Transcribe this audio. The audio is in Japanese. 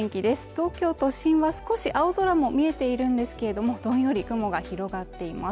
東京都心は少し青空も見えているんですけれどもどんより雲が広がっています